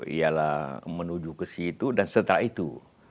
ialah menuju ke situ dan setelah itu